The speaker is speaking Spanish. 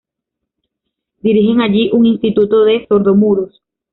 Dirigen allí un Instituto de Sordomudos.